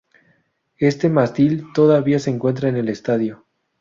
Este mástil todavía se encuentra en el estadio.